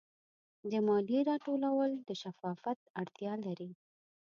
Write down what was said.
د مالیې راټولول د شفافیت اړتیا لري.